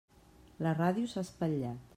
La ràdio s'ha espatllat.